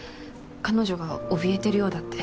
彼女が怯えてるようだって。